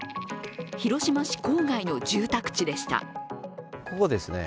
広島市郊外の住宅地でした。